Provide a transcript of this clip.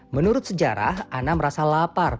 menurut sejarah anna merasa lapar